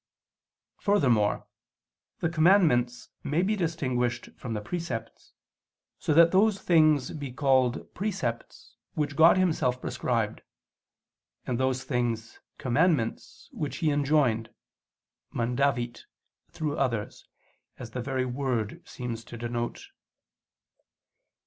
Furthermore the commandments may be distinguished from the precepts, so that those things be called "precepts" which God Himself prescribed; and those things "commandments" which He enjoined (mandavit) through others, as the very word seems to denote.